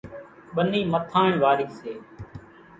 ٻنِي مٿاڻ وارِي سي۔